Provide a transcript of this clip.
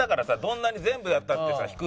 どんなに全部やったってさ低いだろ。